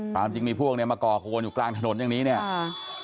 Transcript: ความจริงมีพวกเนี่ยมาก่อโกนอยู่กลางถนนอย่างนี้เนี่ย